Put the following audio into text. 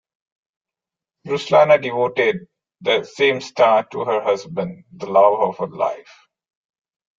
Ruslana devoted "The Same Star" to her husband, the love of her life.